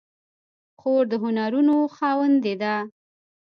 خور د هنرونو خاوندې ده.